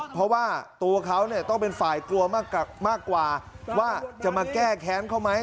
เพราะว่าตัวเขาต้องเป็นฝ่ายกลัวมากกว่าว่าจะมาแก้แค้นเขาไหม